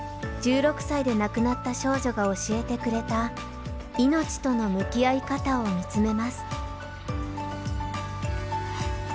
１６歳で亡くなった少女が教えてくれた命との向き合い方を見つめます。